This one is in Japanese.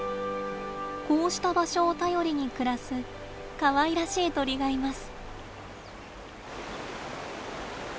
こうした場所を頼りに暮らすかわいらしい鳥がいます。